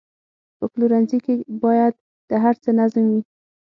په پلورنځي کې باید د هر څه نظم وي.